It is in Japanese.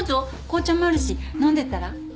紅茶もあるし飲んでったら？